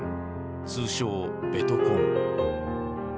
通称「ベトコン」。